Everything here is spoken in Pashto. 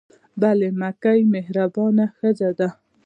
بل مکۍ مهربانه ښځه ده.